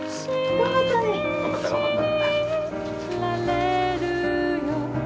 頑張った頑張った！